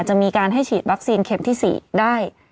จะมีการให้ฉีดวัคซีนเข็มที่๔ได้